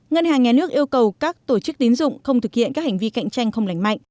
ngân hàng nhà nước yêu cầu các tổ chức tín dụng không thực hiện các hành vi cạnh tranh không lành mạnh